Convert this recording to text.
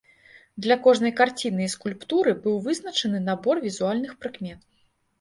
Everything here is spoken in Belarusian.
Для кожнай карціны і скульптуры быў вызначаны набор візуальных прыкмет.